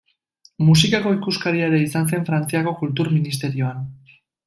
Musikako ikuskaria ere izan zen Frantziako Kultur Ministerioan.